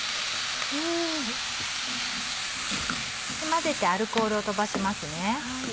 混ぜてアルコールを飛ばしますね。